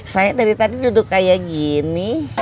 saya dari tadi duduk kayak gini